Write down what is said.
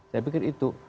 saya pikir itu